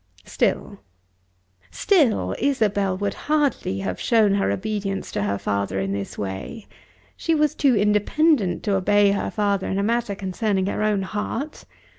Still, still Isabel would hardly have shown her obedience to her father in this way. She was too independent to obey her father in a matter concerning her own heart.